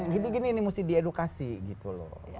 gini gini ini mesti diedukasi gitu loh